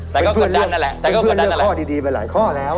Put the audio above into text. แต่ก็กดดันนั่นแหละแต่ก็กดดันนั่นแหละเป็นเพื่อนเลือกข้อดีไปหลายข้อแล้ว